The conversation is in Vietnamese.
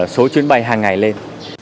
số chuyến bay hàng ngày lên